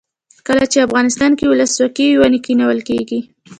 کله چې افغانستان کې ولسواکي وي ونې کینول کیږي.